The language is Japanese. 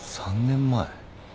３年前？